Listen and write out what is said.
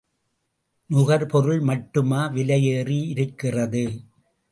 நுகர்பொருள் மட்டுமா விலை ஏறி இருக்கிறது?